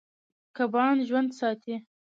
کبان ژوند ساتي.